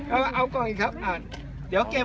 เอากล่องอีกครับ